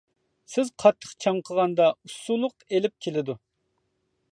سىز قاتتىق چاڭقىغاندا ئۇسسۇلۇق ئېلىپ كېلىدۇ.